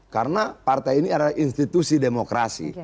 karena partai ini adalah institusi demokrasi